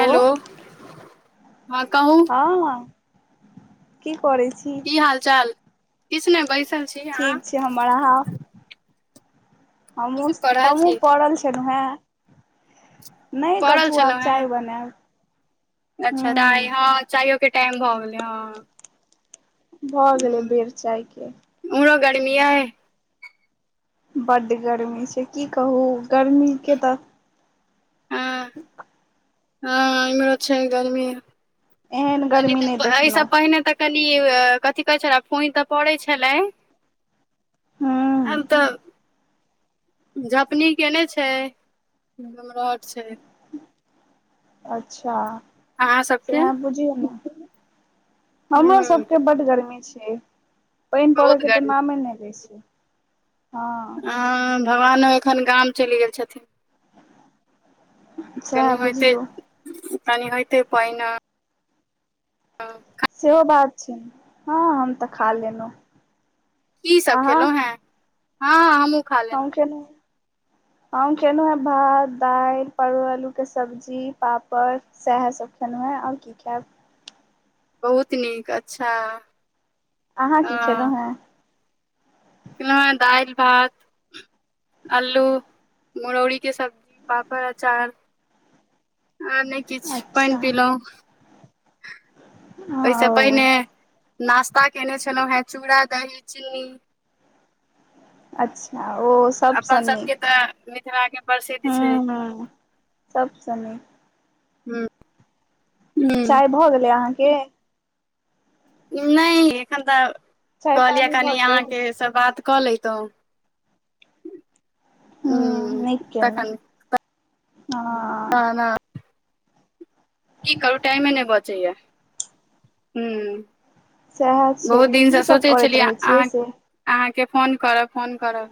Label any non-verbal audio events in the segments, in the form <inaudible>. Hello हँ कहू ह की करे छी की हाल चाल किछ नै बैसल छी अहाँ ठीक छै हमर आहां की सब हमहुँस कऽ रहल हमूँ छी पड़ल छलो है पड़ल छलौ हे <unintelligible> अच्छा टै ह हँ चायो के टाइम भ गेलै हँ भ गेलै हूँ, बेर चाय के उम्हरो गर्मिया यै बड्ड गर्मी छै की कहू गर्मीके तऽ हँ हँ आब इमहरो छै गर्मी एहन गर्मी नहि एहिसँ देखलहुँ पहिने तक कहलिय कथि कहैछ पानि तऽ पड़े छलै हूँ आब तऽ झपनी केने छै <unintelligible> छै अच्छा अहाँ सबके सेहा बुझियौ न हूँ हमर सबके बड गर्मी छै पानि बहुत परैके तऽ गर्मी नामे नै लय छै हँ भगवानो एखन गाम चलि गेल छथिन कनि सएह होइते बुझियौ तनि होइते पानि आ सेहो बात छै हँ तऽ खा लेलहुँ की सब अहाँ खेलहुँ हैं हँ हमूँ हम खेलु हम केलहुँ हैं भात दाल परवल आलू के सब्जी पापड़ सएह सभ खेलो हँ आब की खायब बहुत नीक अच्छा अहाँ की खेलौ हे <unintelligible> दाल भात अल्लू मुरौरी के सब्जी पापड़ अचार आ नहि किछ अच्छा पानि पिलो ओहिसँ पहिने ओ नाश्ता कयने छलहुँ है चूड़ा दही चीनी <inaudible> अच्छा ओ सबसँ अपन सबके नीक तऽ मिथिला के प्रसिद्ध हू छै हू सब स नीक हूँ चाय भ गेलै अहाँके नहि एखन त चाय कहलियै पानी भऽ कनि गेल अहाँके सब बात कलैतो ह हूँ नीक केलहुँ तखन हँ ह न की करूँ टाइमे नहि बचैया हूँ सएह छै बहुत दिनसँ की सब सोचै करैत छलियै रहै छियै अहाँ से अहाँके फोन करब फोन करब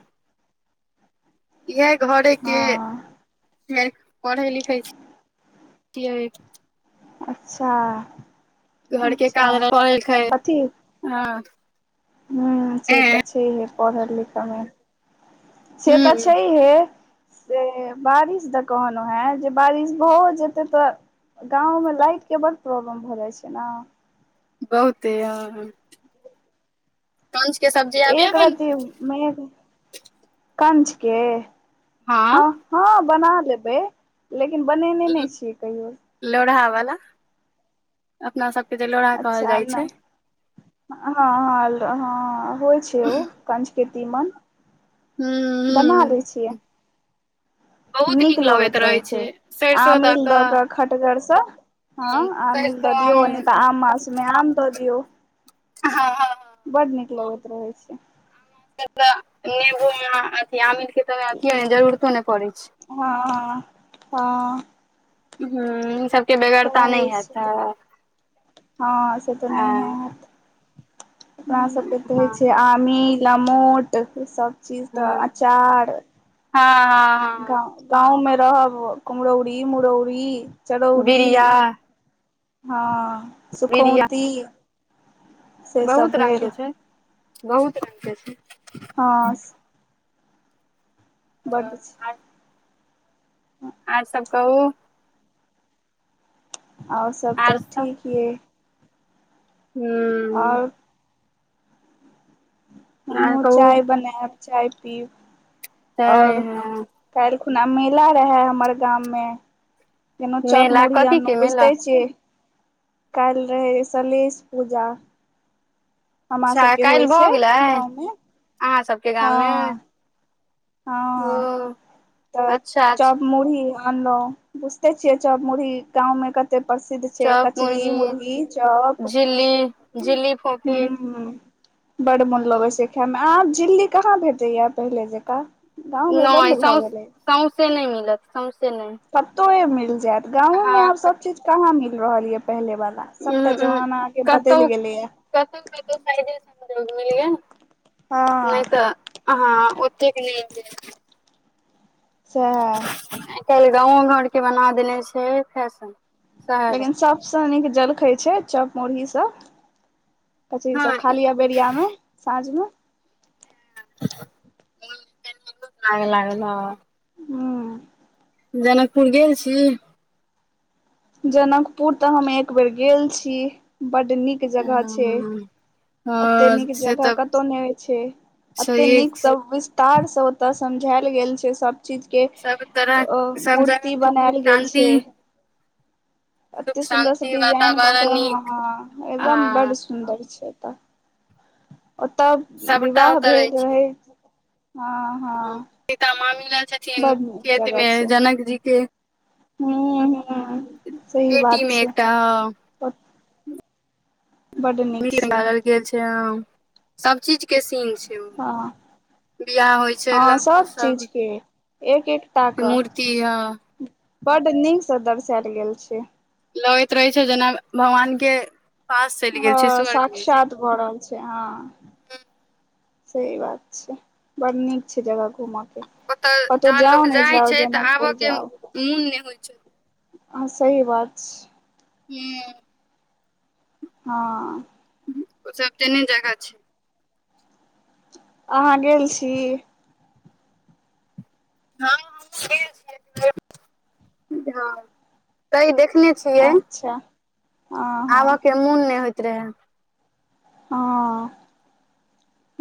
इहे घरे हँ के पढ़ै लिखै छि यै अच्छा घर के अच्छा काम हँ <unintelligible> ह से ए तऽ छै से पढ़ लिखमे से त हूँ छै हे से बारिश दे कहनो हैत जे बारिश भो जेतै त गाँंव में लाइट के बड़ प्रॉब्लम भऽ जाइ छै ने बहुते हॅं कंछ के सब्जी आबैये एक रति बनबऽ मने कंचके हँ हँ बना लेबै लेकिन बनेने नहि छियै कहियो लोरहा वाला अपना सबके जे लाइन अच्छा नहि हँ ह ह होइ छै उ <unintelligible> कंच के तीमन हूँ बना हूँ लेय छियै नीक लगैत रहैत छै आमिल दऽ कऽ खटगरसँ हँ आमील सरिसो दऽ आम दियऔ नहि तऽ आम मास मे आम दऽ दियौ हँ हँ हँ बड नीक लगैत रहैत छै हमरा तऽ <unintelligible> नेबो अथी आमील के तऽ अथि जरूरतो नै पड़ै छै हँ हँ हँ हु सबके सएह बेगैरता नहि होइ हेतै छै हँ से तऽ नहि हैत अपना हँ सभके तऽ होै हँ छै आमील मोटसभ चीज तऽ अचार हँ हँ गा गाँवमे रहब कुम्हरौरी मुरौरी चरौरी बिड़िया हँ बिड़िया सुखौती से सब बहुत रंग भेल के छै बहुत रंग के छै हँ बड छै आ <unintelligible> हू अओर सब कहू अओर सब तऽ ठीक यइ हूँ और आर हमहु कहू चाय बनायब चाय पीयू आओर तऽ काल्हि खुना मेला रहे हमर गाम मे केना चॉप मेला मड़ि कथी आनलौ के मेला बुझै छिय काल्हि रहै सलहेस पूजा हमरा अच्छा सभके काइल होइ भऽ छै गेलै गाँवमे अहाँ सभके हँ गाममे हँ ओ त अच्छा अच्छा चप मुरही आनलहु बुझते छिये चौप मुुरही गांव कत्ते कतै प्रसिद्ध छै कचरी मुरही चैप झिल्ली हुं झिल्ली फोफी बड मन लोगे छै खाइ मे आब झिंगली कहाँ भेटैया पहिले जकाँ गाँवमे नहि बन्द भऽ सौउ गेलै सौउसे नहि मिलत सौउसे नहि कतए मिल जायत गाँवो मे हँ आब क सब चीज कहाँ मिल रहल य पहिले वाला सबटा उहूं उहूं जवाना आगे बदलि कतहु गेले ह कतहु कतहु साेग <unintelligible> मिल हँ नहि तऽ हाँ ओतेक क नहि सैहा आइ काल्हि गाँवो घरके बना देने छै फैशन शहर लेकिन सबसँ नीक जलखाइ छै चैप मुरही सब कचरी हँ सभ खा लिये बेरियामे साँझ मे। आएग लागल है। हूँ। जनकपुर गेल छै। जनकपुर तऽ हम एक बेर गेल छी बड़ निक जगह छै। हँ एते निक से जगह तऽ कतौ नहि होई छै, एते छैहे निक सभ तारसँ ओतय समझायल गेल छै, सभ। चीज के सब तरह सब जगह मूर्ति के सुख बनायल गेल शान्ति छै। सुख अतेक सुन्दर से शान्ति डिजाइन कऽ वातावरण हँ, नीक हँ आ एकदम बड़ सुन्दर छै, एतऽ ओतऽ सबटा विवाह ओतऽ भेल छै रहै। हाँ। सीता माँ आइल छथिन छथिन नीक खेतमे जनकजी के हू, हू। पेटीमे एकटा ह। बड नीक छै मिल गेल छै, सभ चीज के सीन छै। हँ बियाह होइ छै हँ, लड्डू सभ चीज सब के एक एकटा के कऽ। मूर्ति ह बड़ निक से दर्शायल गेल छै। लगैत रहे छै, जेना भगवानके पास चल गेल छै। हँ स्वर्गमे। साक्षात भऽ रहल छै, हँ। सही बात छै, बड़ नीक छै, जगह घूमय के। ओतऽ कातो जहन जाउ लोक ने जाइ जाउ छै तऽ आबऽ जनकपुर के जाउ। मोन नहि होइ छै ह हा, सही बात ह। हँ। ओ सभ तह जगह छै। अहाँ गेल छै। क देखने <unintelligible> अच्छा। हँ हँ आब के मोन नहि होइत रहै हँ।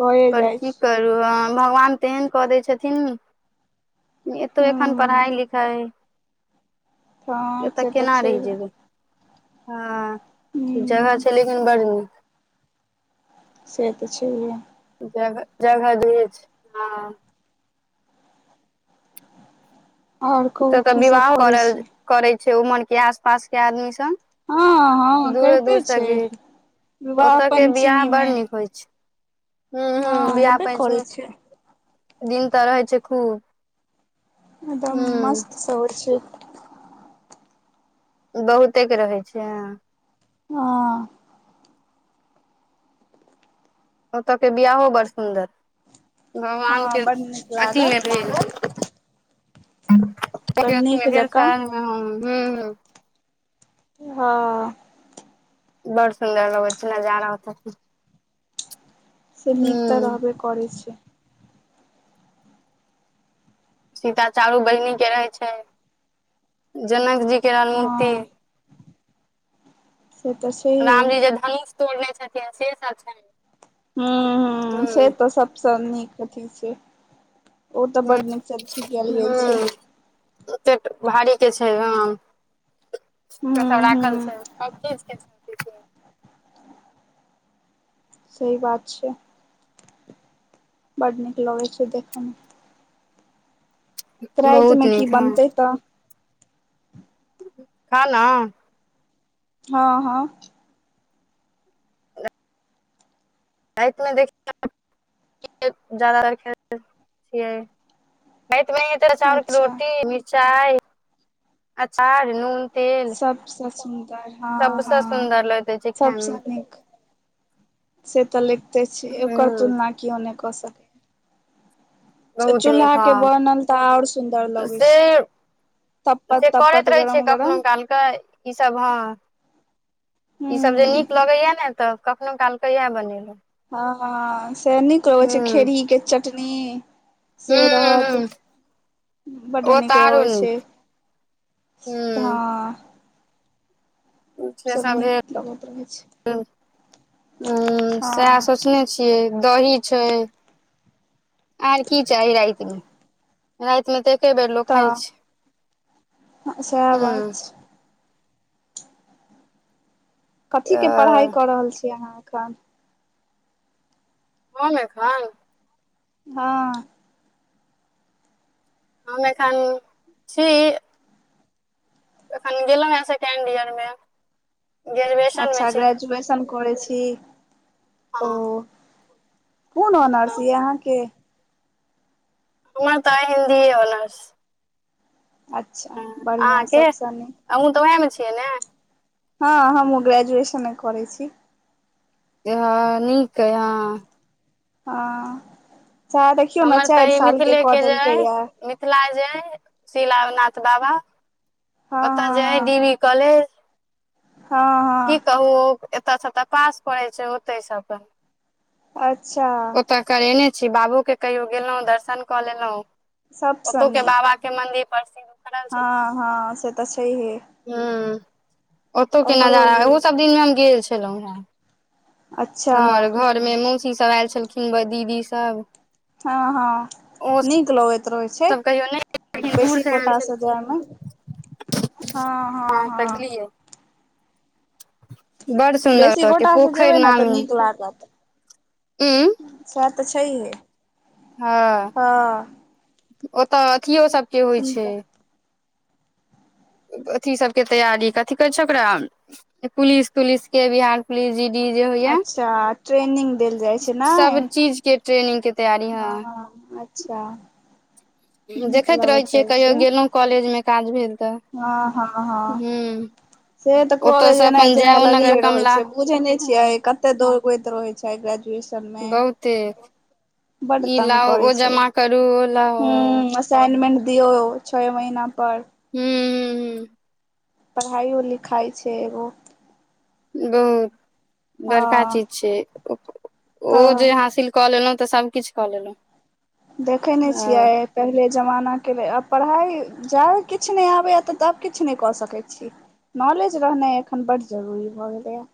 भए पर जाइ कि छै करू हैं, भगवान तेहन कऽ दै छथिन। एतौ एखन हूँ पढ़ाइ लिखाइ। हँ एतय से तऽ केना छै रहि जेयबै। हँ, जगह हूँ छै, लेकिन बड़ निक। सेहत छै हे। जगह जगह दूर छै हँ। आओर कहू से तऽ की सब विवाह करै कर छी करै छै उमर के आस पास के आदमी सभ। हँ हँ दूरो करिते दूरसे छै गिर विवाह ओतय के विवाह पंचमी बड़ मे निक होइ छै। हू, हू हँ विवाह हेबे करै पञ्चमी छै दिन तऽ रहै छै खूब। एकदम मस्त हूँ से होइ छै। बहुते रहै छै। हैं। ओतऽ के बिआह बड़ सुन्दर भगवान के हँ बड नीक अथि मे लागत भेल बड़ नीक दे जकाँ स <unintelligible> हँ। बड सुन्दर लगै छै नजारा ओते के से नीक‌ त रहबे करै छै सीता चारू बहिनी के रहे छै जनक जी के रहल मूर्ति हँ से तऽ छै राम जी जे धनुष तोड़ने छथिन से सब छैन ह ह से तऽ सबस नीक अथी छै ओ त हूँ बड नीक सँ अथी कयल गेल छै ओतेट भारी के छै राम सब हूँ राखल हूँ छै <unintelligible> सही बात छै बड नीक लगैत छै देखयमे त राइत बहुत मे की नीक हँ बनतै तऽ खाना हँ हँ र तमे देखि <unintelligible> जादातर खेल छियै <unintelligible> ते चाावल क अच्छा रोटी मिरचाइ अचार नून तेल सबसँ सुन्दर हँ सबसँ हँ सुन्दर लगैत छै खाय मे सबसँ नीक से त लैगते छीयै ओकर हूँ तुलना केयो न क सकै बहुत नीक चूल्हा के बनल तऽ आओर सुन्दर हँ लगै से छै तपत से तपत करैत रहै छैै गरम कखनो गरम काल क ई सब हँ ई सब जे हूँ नीक लगैया ने तऽ कखनो काल येह बनेलहुँ हाँ हाँ से नीक लगै छै हूँ खेड़हि के चटनी से हूँ रहत हूँ बड ओ तऽ नीक आरो लगे नीक छै हँ से सब सभ नीक लगैत रहै छै भेल हँ सएह सोचने छियै दही छै आर की चाही राति मे राति मे त के बेर लोक खाय तऽ छै हँ सएह बात ह छै कथी के पढ़ाई अ क रहल छी अहाँ एखन हम एखन हँ हम एखन छी एखन गेला हे सेकेंड ईयर मे ग्रेजुएशन मे अच्छा छी ग्रेजुएशन करै छी हँ ओ कोन ऑनर्स य अहाँके हमरा ता हिन्दी होऑनर्स अच्छा बढ़िया सब सँ नीक अहुँ त ओएहे मे छियै ने हँ हमूँ ग्रेजुएशने करैत छी इह नीक ए हऽ ह च देखियौ ने हमर तऽ चारि ई साल के कऽ मिथिलेके जे देलकै अइ यए मिथिला जे हय शीला नाथ बाबा ओतऽ जे हय हँ डी वी कॉलेज हाँ हाँ की कहू एतय छऽ पास पड़ै छै ओते से तऽ अच्छा आ ओतऽ करेने छी बाबू के कहियो गेलहुँ दर्शन कऽ लेलहुँ सभसँ ओतो के नीक बाबा के मंदिर प्रसिद्ध उखड़ल छै हाँ से तऽ छेहिए ह ओतौ के नजारा ये ओहो सब दिन मे हम गेल छलहुँं हे अच्छा हमर घरमे मौसीसभ आयल छलखिन दीदीसभ हँ हँ नीक लगे छै सब कहियो नहि लेकिन दूर बेसी से आयल कोटा छलखिन जायमे हँ हँ तऽ हँ गेलियै बड़ सुन्दर बेसी त के गोटा से पोखरि जेबै नामी <unintelligible> ह तऽ छैहे हँ हँ ओतऽ अथिियो सबके होइ छै सुनता अथी सबके तैयारी कथी कहै छै ओकरा पुलिस तुलिस के बिहार पली डी जे होइ य अच्छा ट्रेनिंग देल जाइ छै ने सब चीज के ट्रेनिंग के तैयारी हँ अच्छा नीक देखैत रहै लगैत छियै कहियो छै गेलहुं कॉलेज मे काज भेल तऽ हँ हँ हँ हूँ से तऽ कहले ओतय से जेनाइ अपन जेनाइ जयउ नगर लगले रहैत कमला छै बुझे नहि हँ छियै कत एते दौड़ गैत रहैत छै ग्रेजुएशन बहुते बड ई तंग लाउ करै ओ छै जमा करू ओ लाउ ह हूँ असाइनमेन्ट दियऔ छओ महना पर हू पढ़ाइयो लिखाइ छै एगो बहुत बड़का हँ चीज छै ओ जे तऽ हासिल कऽ लेलहुँ तऽ सभकिछु कऽ लेलहुँ देखै नहि अ छियै पहिले जमानाके लेल आब पढ़ाइ जाब किछु नहि आबैय तऽ तब किछु नहि कऽ सकैत छी नॉलेज रहनाइ एखन बड्ड जरूरी भऽ गेलैय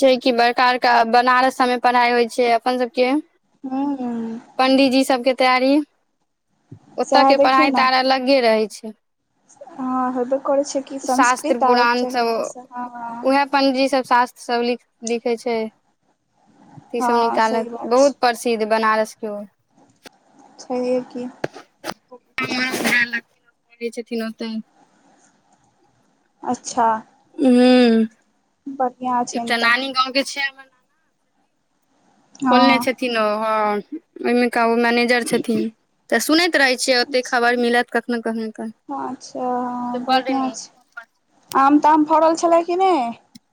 छै कि बड़का बड़का बनारस सबमे पढ़ाई होइ छै अपन सबके हूँ पण्डीजी सबके तैयारी ओतय सएह के देखियौ पढ़ाइ ने तऽ आर अलगे रहै छै हँ होबे करै छै कि शास्त्र संस्कृत आबक चाही ह पणजी सब शास्त्र सब लिखै छै त सब हँ निकालत सही बात छै बहुत प्रसिद्ध बनारस के रैब की लै छथिन ओतऽ अच्छा ह बढ़िआँ छनि एकटाऽ तऽ नानी गाँव के छै हमर बोलने हँ छथिन ओ हँ ओहिमे का ओ मैनेजर छथिन तऽ सुनैत रहैत छियै ओतेक खबर मिलत कखनो कखन क अच्छा से बड बढ़िआं नीक छै आम ताम फड़ल छलै कि नहि